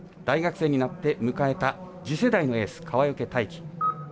大学生になって迎えた次世代のエース川除大輝。